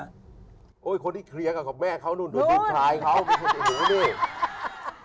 โคตรที่เคลียร์กับแม่เขานู้นดูนิจชายเขาเป็นคนที่รู้นี่